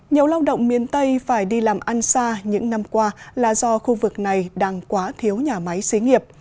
nhiều lao động miền tây phải đi làm ăn xa những năm qua là do khu vực này đang quá thiếu nhà máy xí nghiệp